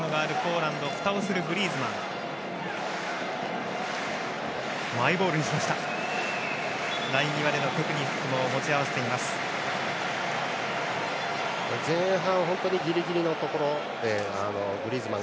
ライン際でのテクニックも持ち合わせますグリーズマン。